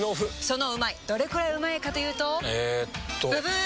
そのうまいどれくらいうまいかというとえっとブブー！